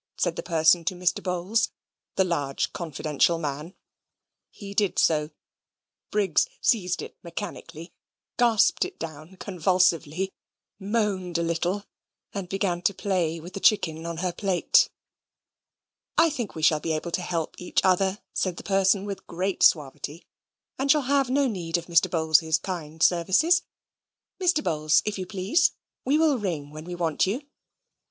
said the person to Mr. Bowls, the large confidential man. He did so. Briggs seized it mechanically, gasped it down convulsively, moaned a little, and began to play with the chicken on her plate. "I think we shall be able to help each other," said the person with great suavity: "and shall have no need of Mr. Bowls's kind services. Mr. Bowls, if you please, we will ring when we want you."